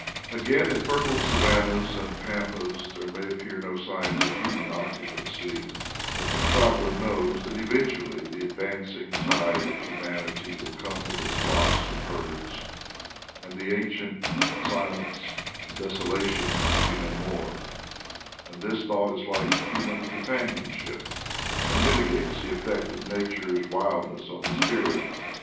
Again, in fertile savannahs and pampas there may appear no signs of human occupancy, but the traveler knows that eventually the advancing tide of humanity will come with its flocks and herds, and the ancient silence and desolation will be no more; and this thought is like human companionship, and miti gates the effect of nature's wildness on the spirit.